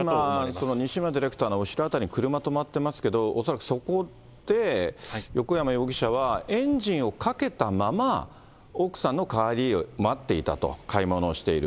今、西村ディレクターの後ろ辺りに車止まってますけど、恐らくそこで、横山容疑者はエンジンをかけたまま、奥さんの帰りを待っていたと、買い物をしている。